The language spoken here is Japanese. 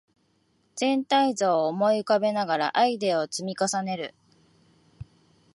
全体像を思い浮かべながらアイデアを積み重ねる